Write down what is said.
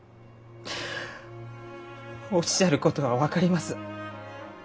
おっしゃることは分かります。